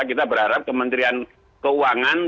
kita berharap kementerian keuangan